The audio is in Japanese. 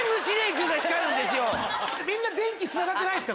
みんな電気つながってないんすか？